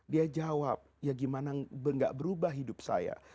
dia jawab ya gimana gak berubah hidup saya